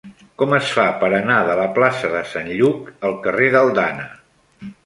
Com es fa per anar de la plaça de Sant Lluc al carrer d'Aldana?